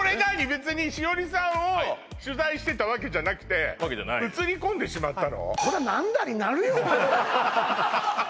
べつにしおりさんを取材してたわけじゃなくて写り込んでしまったの？